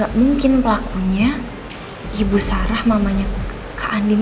gak mungkin pelakunya ibu sarah mamanya kak andin ini